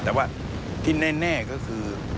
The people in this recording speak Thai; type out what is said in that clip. แต่ว่าที่แน่ก็คือ